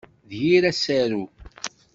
D yir asaru.